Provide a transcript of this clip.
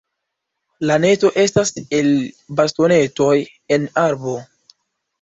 La nesto estas el bastonetoj en arbo.